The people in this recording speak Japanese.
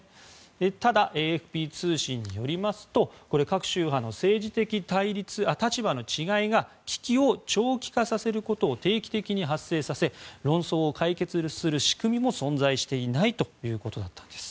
ただ、ＡＦＰ通信によりますと各宗派の政治的立場の違いが危機を長期化させることを定期的に発生させ論争を解決する仕組みも存在していないということだったんです。